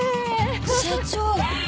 社長！？